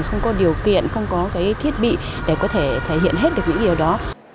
không có điều kiện không có cái thiết bị để có thể thể hiện hết được những điều đó